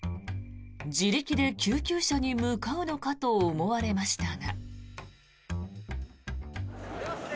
自力で救急車に向かうのかと思われましたが。